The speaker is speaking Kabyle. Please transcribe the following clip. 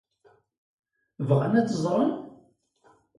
Bɣan ad t-ẓren?